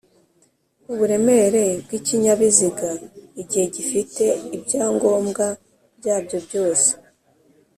uburemere bw'ikinyabiziga igihe gifite ibyangombwa byacyo byose